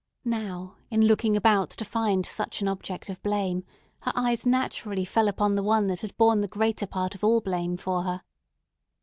Now, in looking about to find such an object of blame her eyes naturally fell upon the one that had borne the greater part of all blame for her.